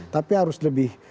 tapi harus lebih